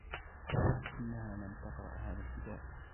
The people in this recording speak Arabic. إنها لم تقرأ هذا الكتاب.